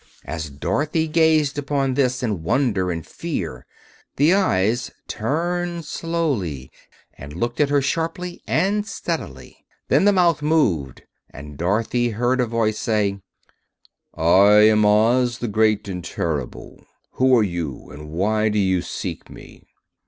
As Dorothy gazed upon this in wonder and fear, the eyes turned slowly and looked at her sharply and steadily. Then the mouth moved, and Dorothy heard a voice say: "I am Oz, the Great and Terrible. Who are you, and why do you seek me?"